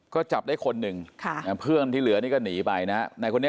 ก็จับได้คนหนึ่งเพื่อนที่เหลือนี่ก็หนีไปนะในคนนี้